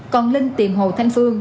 còn linh tìm hồ thanh phương